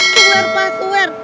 swear pah swear